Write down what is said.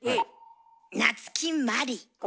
夏木マリ。